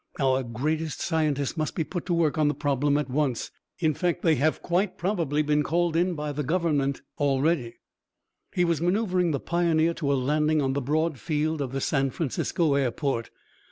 Our greatest scientists must be put to work on the problem at once in fact, they have quite probably been called in by the government already." He was maneuvering the Pioneer to a landing on the broad field of the San Francisco airport.